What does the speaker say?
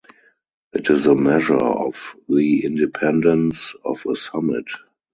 It is a measure of the independence of a summit.